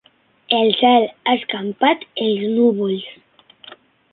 El cel ha escampat els núvols.